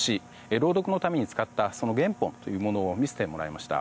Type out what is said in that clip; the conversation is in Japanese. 朗読のために使ったその原本を見せてもらいました。